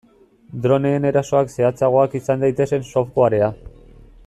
Droneen erasoak zehatzagoak izan daitezen softwarea.